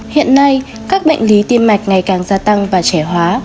hiện nay các bệnh lý tim mạch ngày càng gia tăng và trẻ hóa